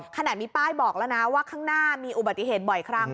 ขนาดมีป้ายบอกแล้วนะว่าข้างหน้ามีอุบัติเหตุบ่อยครั้ง